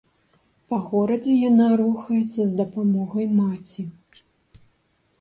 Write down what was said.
Па горадзе яна рухаецца з дапамогай маці.